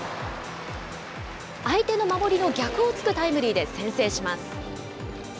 相手の守りの逆をつくタイムリーで先制します。